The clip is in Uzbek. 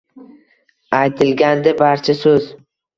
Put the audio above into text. Aytilgandi barcha so’z.